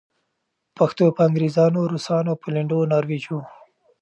پښتو به انګریزانو، روسانو پولېنډو ناروېژو